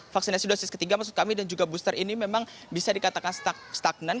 vaksinasi dosis ketiga maksud kami dan juga booster ini memang bisa dikatakan stagnan